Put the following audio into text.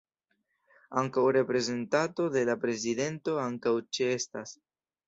Ankaŭ reprezentanto de la prezidento ankaŭ ĉeestas.